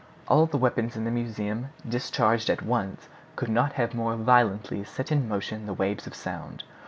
All the weapons in the museum discharged at once could not have more violently set in motion the waves of sound.